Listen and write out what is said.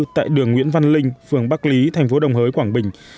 tại đường nguyễn văn linh phường bắc lý thành phố đồng hới quảng bình